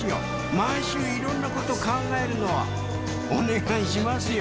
毎週色んなこと考えるのはお願いしますよ